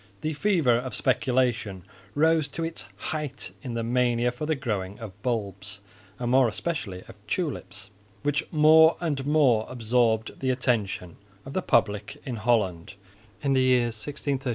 The fever of speculation rose to its height in the mania for the growing of bulbs and more especially of tulips, which more and more absorbed the attention of the public in Holland in the years 1633 6.